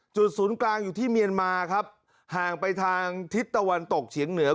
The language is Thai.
ศูนย์กลางอยู่ที่เมียนมาครับห่างไปทางทิศตะวันตกเฉียงเหนือ